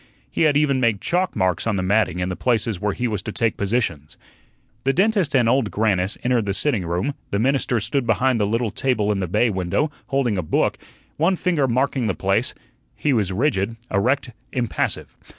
He had even made chalk marks on the matting in the places where he was to take positions. The dentist and Old Grannis entered the sitting room; the minister stood behind the little table in the bay window, holding a book, one finger marking the place; he was rigid, erect, impassive.